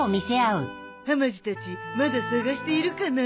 はまじたちまだ探しているかな？